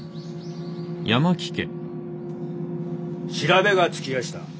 調べがつきやした。